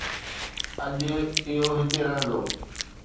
اڄ، اهو هتي رهندو